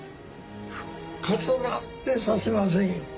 復活なんてさせませんよ。